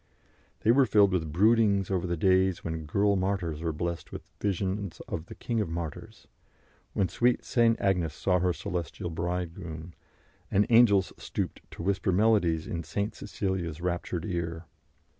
They were filled with broodings over the days when girl martyrs were blessed with visions of the King of Martyrs, when sweet St. Agnes saw her celestial Bridegroom, and angels stooped to whisper melodies in St. Cecilia's raptured ear.